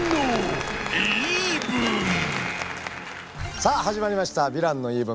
さあ始まりました「ヴィランの言い分」。